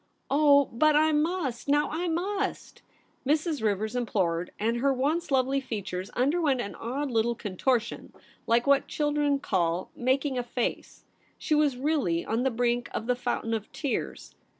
'Oh, but I mus^ now — I must!'' Mrs. Rivers implored, and her once lovely features underwent an odd little contortion like what children call ' making a face.' She was really on the brink of the fountain of tears.